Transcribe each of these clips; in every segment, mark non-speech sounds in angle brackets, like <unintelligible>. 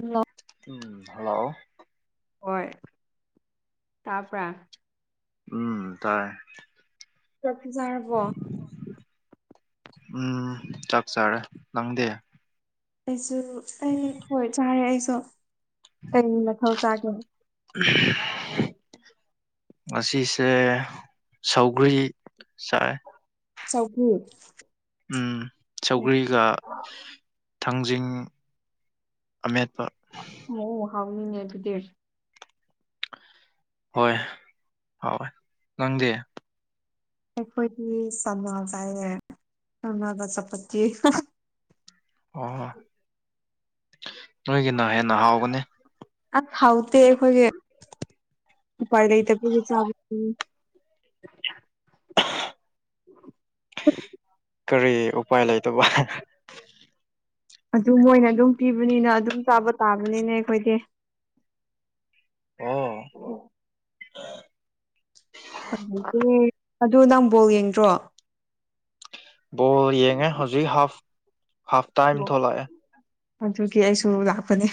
Hello ꯎꯝ hello ꯍꯣꯏ ꯇꯥꯄ꯭ꯔꯥ ꯎꯝ ꯇꯥꯏ ꯆꯥꯛꯇꯤ ꯆꯥꯔꯕꯣ ꯎꯝ ꯆꯥꯛ ꯆꯥꯔꯦ ꯅꯪꯗꯤ ꯑꯩꯁꯨ ꯑꯩ ꯍꯣꯏ ꯆꯥꯔꯦ ꯑꯩꯁꯨ ꯀꯩ ꯃꯊꯦꯜ ꯆꯥꯒꯦ <unintelligible> ꯉꯁꯤꯁꯦ ꯁꯧꯒ꯭ꯔꯤ ꯆꯥꯏ ꯁꯧꯒ꯭ꯔꯤ ꯎꯝ ꯁꯧꯒ꯭ꯔꯤꯒ ꯊꯥꯡꯖꯤꯡ ꯑꯃꯦꯠꯄ ꯑꯣ ꯍꯥꯎꯅꯤꯅꯦ ꯑꯗꯨꯗꯤ ꯍꯣꯏ ꯍꯥꯎꯑꯦ ꯅꯪꯗꯤ ꯑꯩꯈꯣꯏꯗꯤ ꯆꯅꯥ ꯆꯥꯏꯑꯦ ꯆꯅꯥꯒ ꯆꯥꯄꯇꯤ ꯑꯣ ꯅꯣꯏꯒꯤꯅ ꯍꯦꯟꯅ ꯍꯥꯎꯒꯅꯤ ꯑꯁ ꯍꯥꯎꯇꯦ ꯑꯩꯈꯣꯏꯒꯤ ꯎꯄꯥꯏ ꯂꯩꯇꯕꯒꯤ ꯆꯥꯕꯅꯦ <inaudible> ꯀꯔꯤ ꯎꯄꯥꯏ ꯂꯩꯇꯕ ꯑꯗꯨ ꯃꯣꯏꯅ ꯑꯗꯨꯝ ꯄꯤꯕꯅꯤꯅ ꯑꯗꯨꯝ ꯆꯥꯕ ꯇꯥꯕꯅꯤꯅꯦ ꯑꯩꯈꯣꯏꯗꯤ ꯑꯣ ꯑꯗꯨ ꯅꯪ ꯕꯣꯜ ꯌꯦꯡꯗ꯭ꯔꯣ ꯕꯣꯜ ꯌꯦꯡꯉꯦ ꯍꯧꯖꯤꯛ ꯍꯥꯐ ꯍꯥꯐ ꯇꯥꯏꯝ ꯊꯣꯛꯂꯛꯑꯦ ꯑꯗꯨꯒꯤ ꯑꯩꯁꯨ ꯂꯥꯛꯄꯅꯦ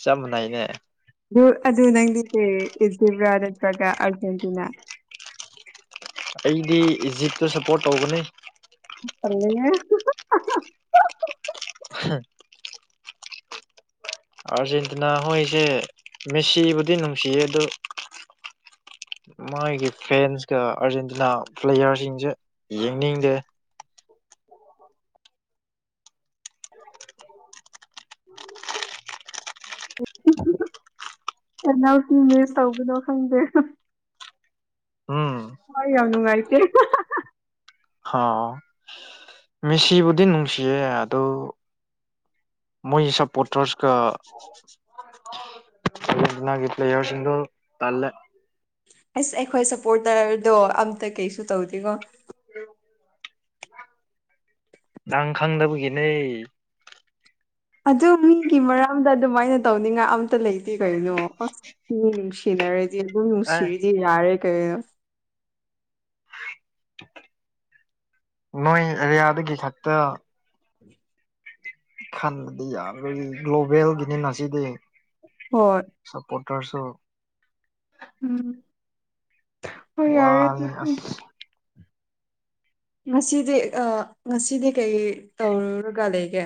ꯆꯞ ꯃꯥꯅꯩꯅꯦ ꯑꯗꯨ ꯑꯗꯨ ꯅꯪꯗꯦ ꯏꯖꯤꯕ꯭ꯔꯥ ꯅꯠꯇꯔꯥꯒ ꯑꯔꯖꯦꯟꯇꯤꯅꯥ ꯑꯩꯗꯤ ꯏꯖꯤꯞꯇ ꯁꯞꯄꯣꯔꯠ ꯇꯧꯒꯅꯤ ꯇꯜꯂꯦꯍꯦ ꯍꯥꯝ ꯑꯥꯔꯖꯦꯟꯇꯤꯅꯥ ꯍꯣꯏꯁꯦ ꯃꯦꯁꯤꯕꯨꯗꯤ ꯅꯨꯡꯁꯤꯌꯦ ꯑꯗꯨ ꯃꯥꯒꯤ ꯐꯦꯟꯁꯀ ꯑꯥꯔꯖꯦꯟꯇꯤꯅꯥ ꯄ꯭ꯂꯦꯌꯥꯔꯁꯤꯡꯁꯦ ꯌꯦꯡꯅꯤꯡꯗꯦ <inaudible> ꯩ <inaudible> ꯀꯅꯥꯎꯀꯤ ꯃꯤꯁ ꯇꯧꯕꯅꯣ ꯈꯪꯗꯦ ꯎꯝ ꯊꯋꯥꯢ ꯌꯥꯝ ꯅꯨꯡꯉꯥꯏꯇꯦ ꯑꯣꯎ ꯃꯦꯁꯤꯕꯨꯗꯤ ꯅꯨꯡꯁꯤꯌꯦ ꯑꯗꯨ ꯃꯣꯏ ꯁꯞꯄꯣꯔꯠ ꯇ꯭ꯔꯁꯀ ꯑꯥꯔꯖꯦꯟꯇꯤꯅꯥꯒꯤ ꯄ꯭ꯂꯦꯌꯔ ꯁꯤꯡꯗꯣ ꯇꯟꯂꯦ ꯑꯁ ꯑꯩꯈꯣꯏ ꯁꯞꯄꯣꯔꯇꯔꯗꯣ ꯑꯝꯇ ꯀꯩꯁꯨ ꯇꯧꯗꯦꯀꯣ <inaudible> ꯅꯪ ꯈꯪꯗꯕꯒꯤꯅꯦ ꯑꯗꯨ ꯃꯤꯒꯤ ꯃꯔꯝꯗ ꯑꯗꯨꯃꯥꯏꯅ ꯇꯧꯅꯤꯡꯉꯥꯏ ꯑꯝꯇ ꯂꯩꯇꯦ ꯀꯩꯅꯣ ꯑꯁ ꯅꯨꯡꯁꯤ ꯁꯤꯟꯅꯔꯗꯤ ꯑꯗꯨꯝ ꯑꯦ ꯅꯨꯡꯁꯤꯔꯗꯤ ꯌꯥꯔꯦ ꯀꯩꯅꯣ ꯅꯣꯏ ꯑꯦꯔꯤꯌꯥꯗꯒꯤ ꯈꯛꯇ <inaudible> ꯈꯟꯕꯗꯤ ꯌꯥꯝ <unintelligible> ꯒ꯭ꯂꯣꯕꯦꯜꯒꯤꯅꯤꯅ ꯁꯤꯗꯤ ꯍꯣꯏ ꯁꯄꯣꯇꯔꯁꯨ ꯎꯝ ꯍꯣꯏ ꯌꯥꯔꯦ ꯋꯥꯔꯦ ꯑꯗꯨꯗꯤ ꯑꯁ ꯉꯁꯤꯗꯤ ꯑ ꯉꯁꯤꯗꯤ ꯀꯩ ꯇꯧꯔꯨꯔꯒ ꯂꯩꯒꯦ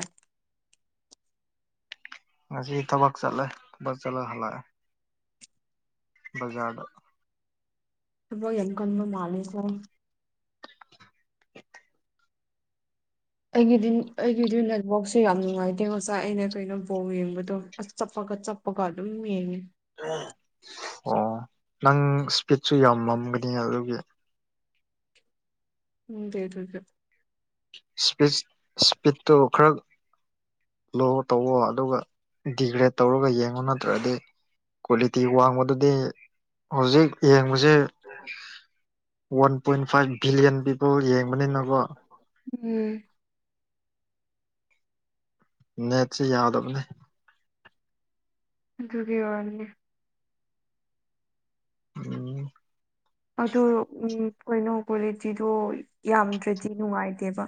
ꯉꯁꯤ ꯊꯕꯛ ꯆꯠꯂꯦ ꯊꯛ ꯆꯠꯂꯒ ꯍꯜꯂꯛꯑꯦ ꯕꯖꯥꯔꯗ ꯊꯕꯛ ꯌꯥꯝ ꯀꯟꯕ ꯃꯥꯂꯦꯀꯣ ꯑꯩꯒꯤꯗꯤ ꯑꯩꯒꯤꯗꯤ ꯅꯦꯠ ꯋꯥꯛꯁꯦ ꯌꯥꯝ ꯅꯨꯡꯉꯥꯏꯇꯦꯉꯣ ꯉꯁꯥꯏ ꯑꯩꯅ ꯊꯣꯏꯅ ꯕꯣꯜ ꯌꯦꯡꯕꯗꯣ ꯆꯞꯄꯒ ꯆꯠꯄꯒ ꯑꯗꯨꯝ ꯌꯦꯡꯉꯤ ꯑꯣ ꯅꯪ ꯏꯁꯄꯤꯠꯁꯨ ꯌꯥꯝ ꯃꯝꯒꯅꯤ ꯑꯗꯨꯒꯤ ꯈꯪꯗꯦ ꯑꯗꯨꯗꯤ ꯏꯁꯄꯤꯠ ꯏꯁꯄꯤꯠꯇꯣ ꯈꯔ ꯂꯣꯋꯔ ꯇꯧꯋꯣ ꯑꯗꯨꯒ ꯗꯤꯒ꯭ꯔꯦꯗ ꯇꯧꯔꯒ ꯌꯦꯡꯉꯣ ꯅꯠꯇ꯭ꯔꯗꯤ ꯀ꯭ꯋꯥꯂꯤꯇꯤ ꯋꯥꯡꯕꯗꯨꯗꯤ ꯍꯧꯖꯤꯛ ꯌꯦꯡꯕꯁꯦ ꯋꯥꯟ ꯄꯣꯏꯟ ꯐꯥꯏꯚ ꯕꯤꯂꯤꯌꯟ <unintelligible> ꯌꯦꯡꯕꯅꯤꯅꯀꯣ ꯎꯝ ꯅꯦꯠꯁꯤ ꯌꯥꯗꯕꯅꯤ ꯑꯗꯨꯒꯤ ꯑꯣꯏꯔꯝꯅꯤ ꯎꯝ ꯑꯗꯨ ꯎꯝ ꯀꯩꯅꯣ ꯀ꯭ꯋꯥꯂꯤꯇꯤꯗꯣ ꯌꯥꯝꯗ꯭ꯔꯗꯤ ꯅꯨꯡꯉꯥꯏꯇꯦꯕ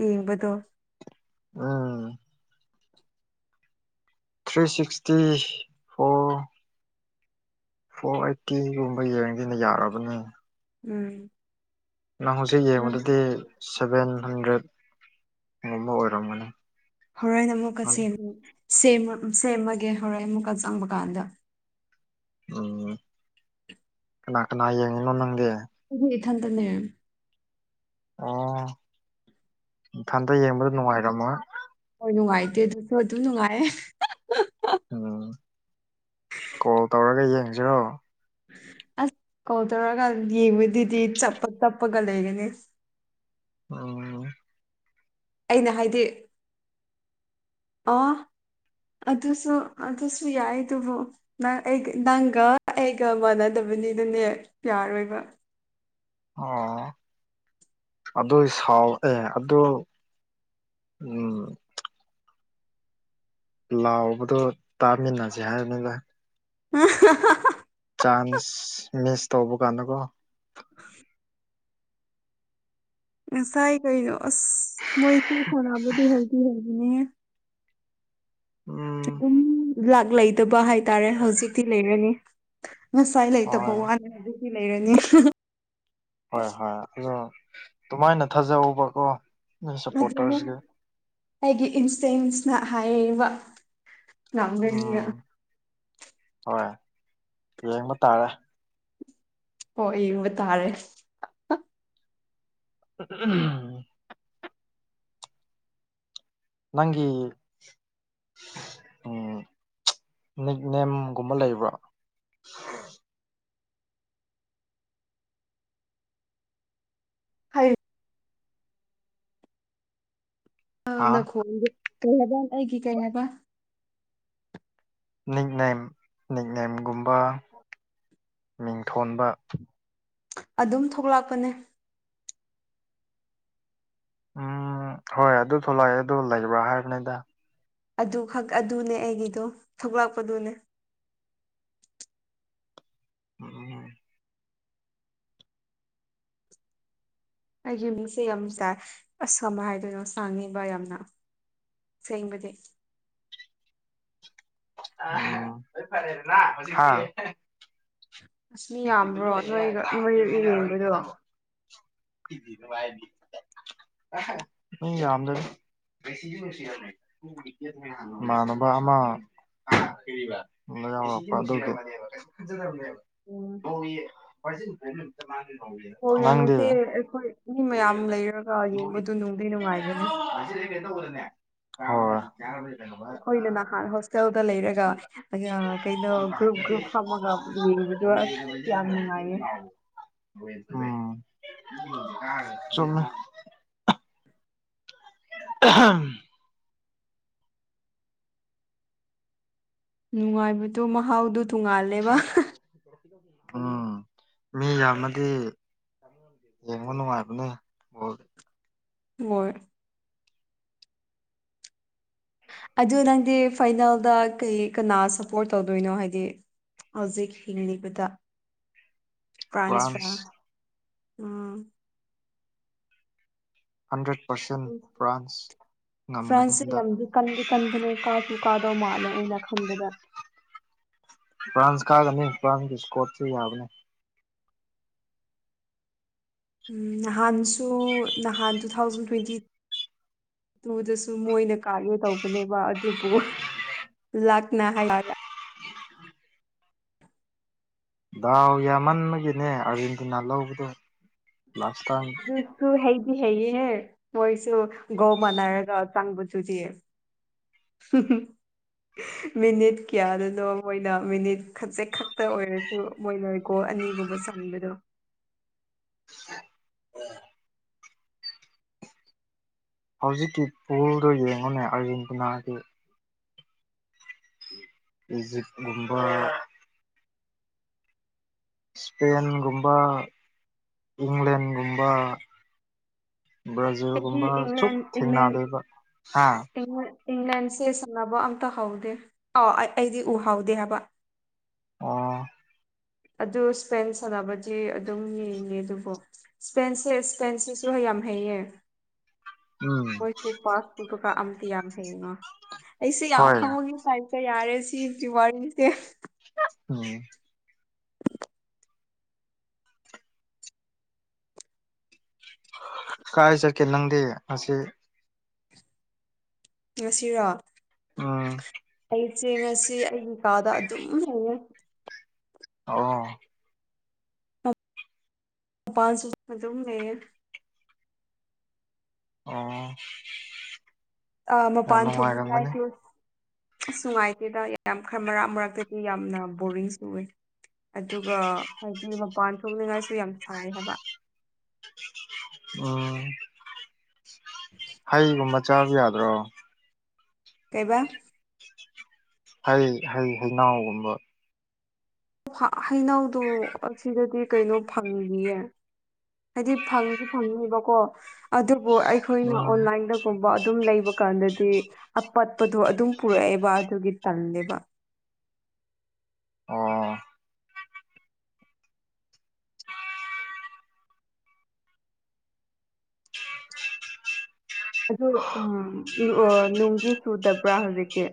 ꯌꯦꯡꯕꯗꯣ ꯎꯝ ꯊ꯭ꯔꯤ ꯁꯤꯛꯁꯇꯤ ꯐꯣꯔ ꯐꯣꯔ ꯑꯩꯠꯇꯤꯒꯨꯝꯕ ꯌꯦꯡꯒꯦꯅ ꯌꯥꯔꯕꯅꯦ ꯎꯝ ꯅꯪ ꯍꯧꯖꯤꯛ ꯌꯦꯡꯕꯗꯗꯤ ꯁꯚꯦꯟ ꯍꯟꯗ꯭ꯔꯦꯠꯒꯨꯝꯕ ꯑꯣꯏꯔꯝꯒꯅꯤ ꯍꯣꯔꯦꯟ ꯑꯃꯨꯛꯀ ꯁꯦꯝ ꯁꯦꯝ ꯁꯦꯝꯃꯒꯦ ꯍꯣꯔꯦꯟ ꯑꯃꯨꯛꯀ ꯆꯪꯕ ꯀꯥꯟꯗ ꯎꯝ ꯀꯅꯥ ꯀꯅꯥ ꯌꯦꯡꯉꯤꯅꯣ ꯅꯪꯗꯤ ꯑꯩ ꯏꯊꯟꯗꯅꯦ ꯑꯣ ꯏꯊꯟꯗ ꯌꯦꯡꯕꯗꯨ ꯅꯨꯡꯉꯥꯏꯔꯝꯃꯣꯏ ꯍꯣꯏ ꯅꯨꯡꯉꯥꯏꯇꯦ ꯑꯗꯨꯁꯨ ꯑꯗꯨꯝ ꯅꯨꯡꯉꯥꯏ ꯎꯝ ꯀꯣꯜ ꯇꯧꯔꯒ ꯌꯦꯡꯁꯤꯔꯣ ꯑꯁ ꯀꯣꯜ ꯇꯧꯔꯒ ꯌꯦꯡꯕꯗꯨꯗꯤ ꯆꯞꯄ ꯇꯞꯄꯒ ꯂꯩꯒꯅꯤ ꯑꯝ ꯑꯩꯅ ꯍꯥꯏꯗꯤ ꯑꯣ ꯑꯗꯨꯁꯨ ꯑꯗꯨꯁꯨ ꯌꯥꯏꯗꯨꯕꯨ ꯅꯪ ꯑꯩꯒ ꯅꯪꯒ ꯑꯩꯒ ꯃꯥꯟꯅꯗꯕꯅꯤꯗꯅꯦ ꯌꯥꯔꯣꯏꯕ ꯑꯣ ꯑꯗꯣ ꯑꯩ ꯁꯥꯎ ꯑꯦ ꯑꯗꯣ ꯎꯝ ꯂꯥꯎꯕꯗꯣ ꯇꯥꯃꯤꯟꯅꯁꯦ ꯍꯥꯏꯕꯅꯤꯗ <unintelligible> ꯆꯥꯟꯁ ꯃꯤꯁ ꯇꯧꯕ ꯀꯥꯟꯗꯀꯣ <unintelligible> ꯉꯁꯥꯏ ꯀꯩꯅꯣ ꯑꯁ ꯃꯣꯏꯁꯦ ꯁꯥꯟꯅꯕꯗꯤ ꯍꯧꯗꯤ ꯍꯩꯕꯅꯦꯍ ꯎꯝ ꯑꯗꯨꯝ ꯂꯥꯛ ꯂꯩꯇꯕ ꯍꯥꯏꯇꯥꯔꯦ ꯍꯧꯖꯤꯛꯇꯤ ꯂꯩꯔꯅꯤ ꯉꯁꯥꯏ ꯂꯩꯇꯕ ꯍꯣꯏ ꯋꯥꯅꯦ ꯍꯧꯖꯤꯛꯇꯤ ꯂꯩꯔꯅꯤ ꯍꯣꯏ ꯍꯣꯏ ꯑꯗꯣ ꯑꯗꯨꯃꯥꯏꯅ ꯊꯥꯖꯧꯕꯀꯣ ꯅꯣꯏ ꯑꯗꯨꯅꯦ ꯁꯞꯄꯣꯔꯇꯔꯁꯀꯤ ꯑꯩꯒꯤ ꯏꯟꯁꯇꯦꯟꯁꯅ ꯍꯥꯏꯔꯦꯕ ꯉꯝꯔꯅꯤꯅ ꯎꯝ ꯍꯣꯏ ꯌꯦꯡꯕ ꯇꯥꯔꯦ ꯍꯣꯏ ꯌꯦꯡꯕ ꯇꯥꯔꯦ ꯎꯝ ꯅꯪꯒꯤ ꯎꯝ ꯅꯤꯛꯅꯦꯝꯒꯨꯝꯕ ꯂꯩꯕ꯭ꯔꯣ ꯍꯥꯏ ꯍꯥ <unintelligible> ꯀꯩ ꯍꯥꯏꯕ ꯑꯩꯒꯤ ꯀꯩ ꯍꯥꯏꯕ ꯅꯤꯛꯅꯦꯝ ꯅꯤꯛꯅꯦꯝꯒꯨꯝꯕ ꯃꯤꯡꯊꯣꯟꯕ ꯑꯗꯨꯝ ꯊꯣꯛꯂꯛꯄꯅꯦ ꯎꯝ ꯍꯣꯏ ꯑꯗꯨ ꯊꯣꯛꯂꯛꯑꯦ ꯑꯗꯨ ꯂꯩꯕ꯭ꯔꯥ ꯍꯥꯏꯕꯅꯤꯗ ꯑꯗꯨꯈꯛ ꯑꯗꯨꯅꯦ ꯑꯩꯒꯤꯗꯣ ꯊꯣꯛꯂꯛꯄꯗꯨꯅꯦ ꯎ ꯎꯝ ꯑꯩꯒꯤ ꯃꯤꯡꯁꯦ ꯌꯥꯝ ꯆꯥꯏ ꯑꯁ ꯀꯃꯥꯏ ꯍꯥꯏꯗꯣꯏꯅꯣ ꯁꯥꯡꯉꯤꯕ ꯌꯥꯝꯅ ꯁꯦꯝꯕꯗꯤ ꯎꯝ ꯂꯣꯏ ꯐꯔꯦꯗꯅ ꯍꯧꯖꯤꯛꯇꯤ ꯍꯥ ꯑꯁ ꯃꯤ ꯌꯥꯝꯕ꯭ꯔꯣ ꯅꯣꯏꯔ ꯅꯣꯏ ꯏꯔꯦꯡꯕꯗꯣ <unintelligible> ꯃꯤ ꯌꯥꯝꯗꯕꯅꯤ ꯏꯃꯥꯟꯅꯕ ꯑꯃ ꯇꯨꯡꯗ ꯌꯥꯎꯔꯛꯄ ꯑꯗꯨꯒꯤ ꯎꯝ ꯕꯣꯜ <unintelligible> ꯅꯪꯗꯤ <unintelligible> ꯌꯦꯡꯕꯁꯦ ꯑꯩꯈꯣꯏ ꯃꯤ ꯃꯌꯥꯝ ꯂꯩꯔꯒ ꯌꯦꯡꯕꯗꯨ ꯅꯨꯡꯗꯤ ꯅꯨꯡꯉꯥꯏꯕꯅꯦ ꯀꯩꯅꯣ ꯇꯧꯕꯗꯅꯦ꯫ ꯍꯣꯏ <unintelligible> ꯑꯩꯈꯣꯏꯅ ꯅꯍꯥꯟ ꯍꯣꯁꯇꯦꯜꯗ ꯂꯩꯔꯒ ꯑꯌꯥ ꯀꯩꯅꯣ ꯒ꯭ꯔꯨꯞ ꯒ꯭ꯔꯨꯞ ꯐꯝꯃꯒ ꯌꯦꯡꯕꯗꯣ ꯑꯁ ꯌꯥꯝ ꯅꯨꯡꯉꯥꯏꯌꯦ ꯎꯝ ꯆꯨꯝꯃꯦ ꯑꯍꯝ ꯅꯨꯡꯉꯥꯏꯕꯗꯨ ꯃꯍꯥꯎꯗꯨ <unintelligible> ꯎꯝ ꯃꯤ ꯌꯥꯝꯃꯗꯤ ꯌꯦꯡꯕ ꯅꯨꯡꯉꯥꯏꯕꯅꯦ ꯕꯣꯜ ꯍꯣꯏ ꯑꯗꯨ ꯅꯪꯗꯤ ꯐꯥꯏꯅꯦꯜꯗ ꯀꯩ ꯀꯅꯥ ꯁꯞꯄꯣꯔꯠ ꯇꯧꯗꯣꯏꯅꯣ ꯍꯥꯏꯗꯤ ꯍꯧꯖꯤꯛ ꯍꯤꯡꯂꯤꯕꯗ <inaudible> ꯐ꯭ꯔꯥꯟꯁꯔꯥ ꯎꯝ ꯍꯟꯗ꯭ꯔꯦꯠ ꯄꯥꯔꯁꯦꯟ ꯐ꯭ꯔꯥꯟꯁ ꯉꯝꯒꯅꯤ ꯐ꯭ꯔꯥꯟꯁꯁꯦ ꯍꯟꯗꯛ ꯌꯥꯝꯗꯤ ꯀꯟꯗꯤ ꯀꯟꯕꯅꯦ ꯀꯥꯁꯨ ꯀꯥꯗꯧ ꯃꯥꯜꯂꯦ ꯑꯩꯅ ꯈꯟꯕꯗ ꯐ꯭ꯔꯥꯟꯁ ꯀꯥꯒꯅꯤ ꯐ꯭ꯔꯥꯟꯁꯀꯤ ꯏꯁꯀꯣꯔꯁꯨ ꯌꯥꯕꯅꯦ ꯅꯍꯥꯟꯁꯨ ꯅꯍꯥꯟ ꯇꯨ ꯊꯥꯎꯖꯟ ꯇ꯭ꯋꯦꯟꯇꯤ ꯇꯨꯗꯁꯨ ꯃꯣꯏꯅ ꯀꯥꯒꯦ ꯇꯧꯕꯅꯦꯕ ꯑꯗꯨꯕꯨ ꯂꯥꯛꯅ ꯍꯥꯏ <unintelligible> ꯗꯥꯎ ꯌꯥꯝꯃꯟꯕꯒꯤꯅꯦ ꯑꯥꯔꯖꯦꯟꯇꯤꯅꯥ ꯂꯧꯕꯗꯣ ꯂꯥꯁ ꯇꯥꯏꯝ ꯆꯨꯁꯨꯨ ꯍꯩꯗꯤ ꯍꯩꯌꯦꯍꯦ ꯃꯣꯏꯁꯨ ꯒꯧ ꯃꯥꯟꯅꯔꯒ ꯆꯪꯕ ꯆꯨꯆꯤ ꯍꯨꯝ ꯍꯨꯝ ꯃꯤꯅꯤꯠ ꯀꯌꯥꯗꯨꯅꯣ ꯃꯣꯏꯅ ꯃꯤꯅꯤꯠ ꯈꯖꯤꯠ ꯈꯛꯇ ꯑꯣꯏꯔ ꯃꯣꯏ ꯂꯣꯏꯀꯣ ꯑꯅꯤꯒꯨꯝꯕ ꯆꯪꯕꯗꯣ <inaudible> ꯍꯧꯖꯤꯛꯀꯤ ꯄꯨꯜꯗꯣ ꯌꯦꯡꯉꯨꯅꯦ ꯑꯥꯔꯖꯦꯟꯇꯤꯅꯥꯒꯤ ꯏꯖꯤꯞꯒꯨꯝꯕ ꯏꯁꯄꯦꯟꯒꯨꯝꯕ ꯏꯪꯂꯦꯟꯒꯨꯝꯕ ꯑꯩꯗꯤ ꯕ꯭ꯔꯥꯖꯤꯜꯒꯨꯝꯕ ꯁꯨꯛ ꯊꯦꯡꯅꯗꯣꯏꯕ ꯍꯥ ꯏꯪ ꯏꯪꯂꯦꯟꯁꯦ ꯁꯥꯟꯅꯕ ꯑꯝꯇ ꯍꯥꯎꯗꯦ ꯑꯥꯎ ꯑꯩ ꯑꯩꯗꯤ ꯎꯍꯥꯎꯗꯦ ꯍꯥꯏꯕ ꯑꯣ ꯑꯗꯨ ꯁꯄꯦꯟ ꯁꯥꯟꯅꯕꯗꯤ ꯑꯗꯨꯝ ꯌꯦꯡꯉꯦ ꯑꯗꯨꯕꯨ ꯁꯄꯦꯟꯁꯦ ꯏꯁꯄꯦꯟꯁꯤꯁꯨ ꯌꯥꯝ ꯍꯩꯌꯦ ꯎꯝ ꯍꯣꯏꯁꯦ ꯄꯥꯁ <unintelligible> ꯌꯥꯝ ꯍꯌꯦꯉ ꯑꯩꯁꯦ ꯌꯥꯝ ꯍꯣꯏ ꯈꯪꯕꯒꯤ ꯍꯥꯏꯛꯇ ꯌꯥꯔꯦ ꯁꯤ ꯗꯤ ꯋꯥꯔꯤꯁꯦ <inaudible> ꯀꯥꯏ ꯆꯠꯀꯦ ꯅꯪꯗꯤ ꯑꯁꯤ ꯉꯁꯤꯔꯣ ꯎꯝ ꯑꯩꯁꯦ ꯉꯁꯤ ꯑꯩꯒꯤ ꯀꯥꯗ ꯑꯗꯨꯝ ꯂꯩꯌꯦ ꯑꯣ ꯃꯄꯥꯥꯟꯁꯨ ꯑꯗꯨꯝ ꯂꯩꯌꯦ ꯑꯣ ꯑ ꯌꯥꯝ ꯃꯄꯥꯟ ꯅꯨꯡꯉꯥꯏꯔꯝꯒꯅꯤ ꯊꯣꯛꯉꯥꯏꯁꯤ ꯑꯁ ꯅꯨꯡꯉꯥꯏꯇꯦꯗ ꯌꯥꯝ ꯈꯔ ꯃꯔꯛ ꯃꯔꯛꯇꯗꯤ ꯌꯥꯝꯅ ꯕꯣꯔꯤꯡꯁꯨꯏ ꯑꯗꯨꯒ ꯍꯥꯏꯗꯤ ꯃꯄꯥꯟ ꯊꯣꯛꯅꯤꯡꯉꯥꯏꯁꯨ ꯌꯥꯝ ꯁꯥꯏ ꯍꯥꯏꯕ ꯎꯝ ꯍꯩꯒꯨꯝ ꯃꯆꯥꯁꯨ ꯌꯥꯗ꯭ꯔꯣ ꯀꯩꯕꯥ ꯍꯩ ꯍꯩ ꯍꯩꯅꯎꯒꯨꯝꯕ ꯍꯩꯅꯧꯗꯣ ꯑꯁꯤꯗꯗꯤ ꯀꯩꯅꯣ ꯐꯪꯗꯤꯌꯦ ꯍꯥꯏꯗꯤ ꯐꯪꯗꯤ ꯐꯪꯉꯦꯕꯀꯣ ꯑꯗꯨꯕꯨ ꯑꯩꯈꯣꯏꯅ ꯎꯝ ꯑꯣꯟꯂꯥꯏꯟꯗꯒꯨꯝꯕ ꯑꯗꯨꯝ ꯂꯩꯕ ꯀꯥꯟꯗꯗꯤ ꯄꯠꯄꯗꯣ ꯑꯗꯨꯝ ꯄꯨꯔꯛꯑꯦꯕ ꯑꯗꯨꯒꯤ ꯇꯜꯂꯦꯕ ꯑꯣ ꯑꯗꯨꯗ ꯎꯝ ꯅꯨꯡꯒꯤ ꯆꯨꯗꯕ꯭ꯔꯥ ꯍꯧꯖꯤꯛꯀꯤ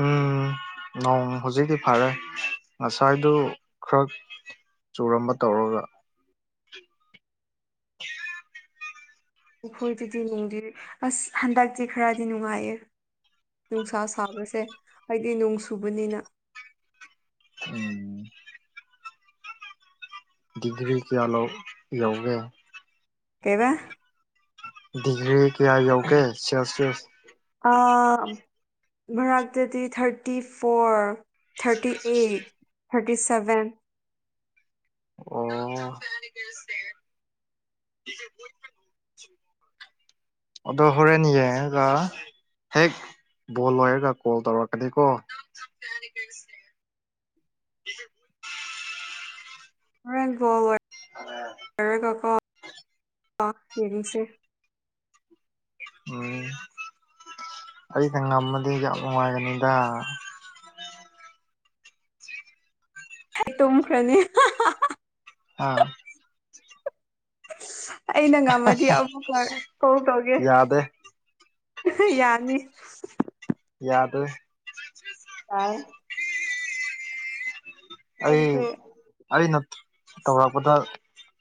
ꯎꯝ ꯅꯣꯡ ꯍꯧꯖꯤꯛꯇꯤ ꯐꯔꯦ ꯉꯁꯥꯏꯗꯨ ꯈꯔ ꯆꯣꯔꯝꯕ ꯇꯧꯔꯒ ꯑꯈꯣꯏꯗꯗꯤ ꯅꯨꯡꯗꯤ ꯑꯁ ꯍꯟꯗꯛꯇꯤ ꯈꯔꯗꯤ ꯅꯨꯡꯉꯥꯏꯌꯦ ꯅꯨꯡꯁꯥ ꯁꯥꯕꯁꯦ ꯑꯩꯗꯤ ꯅꯣꯡ ꯁꯨꯕꯅꯤꯅ ꯗꯤꯒ꯭ꯔꯤ ꯀꯌꯥꯂꯣ ꯌꯧꯕꯔꯣ ꯀꯩꯕ ꯗꯤꯒ꯭ꯔꯤ ꯀꯌꯥ ꯌꯧꯒꯦ ꯁꯦꯜꯁꯤꯑꯁ ꯑ ꯃꯔꯛꯇꯗꯤ ꯊꯥꯔꯇꯤ ꯐꯣꯔ ꯊꯥꯔꯇꯤ ꯏ ꯊꯔꯇꯤ ꯁꯚꯦꯟ ꯑꯣ <unintelligible> ꯑꯗꯣ ꯍꯣꯔꯦꯟ ꯌꯦꯡꯉꯒ ꯍꯦꯛ ꯕꯣꯜ ꯂꯣꯏꯔꯒ ꯀꯣꯜ ꯇꯧꯔꯛꯀꯅꯤꯀꯣ <unintelligible> ꯍꯣꯔꯦꯜ ꯕꯣꯜ ꯂꯣꯏ <inaudible> <unintelligible> ꯌꯦꯡꯁꯦ ꯎꯝ ꯑꯩꯅ ꯉꯝꯃꯗꯤ ꯌꯥꯝ ꯅꯨꯡꯉꯥꯏꯒꯅꯤꯗ ꯇꯨꯝꯈ꯭ꯔꯅꯤ ꯑꯥ ꯑꯩꯅ ꯉꯝꯃꯗꯤ ꯑꯃꯨꯛꯀ ꯀꯣꯞ ꯇꯧꯒꯦ ꯌꯥꯗꯦ ꯌꯥꯅꯤ ꯌꯥꯗꯣꯏ ꯌꯥꯏꯌꯦ ꯑꯩ ꯑꯩꯁꯦ ꯑꯩꯅ ꯇꯧꯔꯛꯄꯗ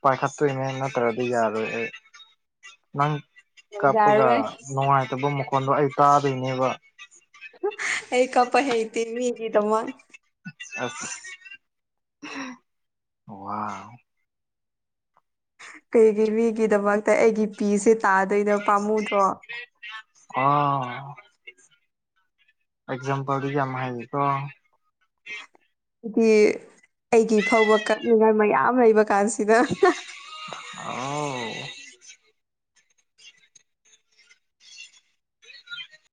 ꯄꯥꯏꯈꯠꯇꯣꯏꯅꯦ ꯅꯠꯇ꯭ꯔꯗꯤ ꯌꯥꯔꯣꯏ ꯑꯩ ꯅꯪ ꯀꯥꯞꯄꯒ ꯌꯥꯔꯔꯣꯏ ꯅꯨꯡꯉꯥꯏꯇꯕ ꯃꯈꯣꯟꯗꯣ ꯑꯩ ꯀꯥꯗꯣꯏꯅꯦꯕ ꯑꯩ ꯀꯄ ꯍꯩꯇꯦ ꯃꯤꯒꯤꯗꯃꯛ ꯑꯁ ꯋꯥꯎ ꯀꯩꯒꯤ ꯃꯤꯒꯤꯗꯃꯛꯇ ꯑꯩꯒꯤ ꯄꯤꯁꯦ ꯇꯥꯗꯣꯏꯗꯣ ꯄꯥꯝꯃꯨꯗ꯭ꯔꯣ ꯑꯥ ꯑꯦꯛꯖꯥꯝꯄꯜꯗꯗꯤ ꯌꯥꯝ ꯍꯩꯀꯣ ꯗꯤ ꯑꯩꯒꯤ ꯐꯥꯎꯕ ꯀꯠꯅꯤꯡꯉꯥꯏ ꯃꯌꯥꯝ ꯂꯩꯕ ꯀꯥꯟꯁꯤꯗ ꯑ